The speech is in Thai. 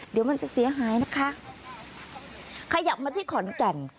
เดี๋ยวมันจะเสียหายนะคะขยับมาที่ขอนแก่น